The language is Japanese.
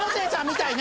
みたいな。